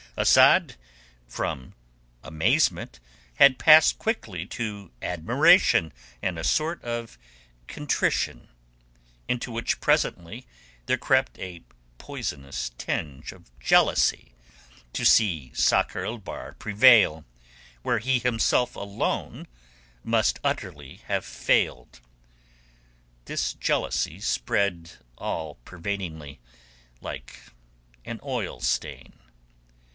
Asad from amazement had passed quickly to admiration and a sort of contrition, into which presently there crept a poisonous tinge of jealousy to see Sakr el Bahr prevail where he himself alone must utterly have failed. This jealousy spread all pervadingly, like an oil stain.